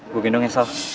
gue gendong ya sal